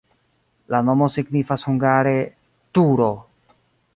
La nomo signifas hungare: turo.